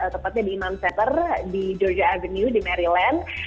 tepatnya di imam setter di georgia avenue di maryland